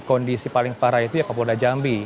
kondisi paling parah itu ya kapolda jambi